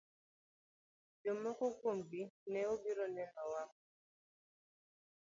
Jomoko kuomgi ne obiro nenowa mogik.